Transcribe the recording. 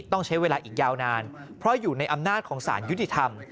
ต้องใช้เวลาอีกยาวนานเพราะอยู่ในอำนาจของสารยุติธรรม